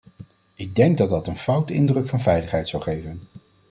Ik denk dat dat een foute indruk van veiligheid zou geven.